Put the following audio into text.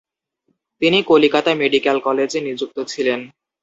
তিনি কলিকাতা মেডিক্যাল কলেজে নিযুক্ত ছিলেন।